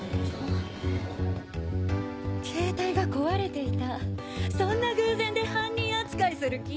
ケータイが壊れていたそんな偶然で犯人扱いする気？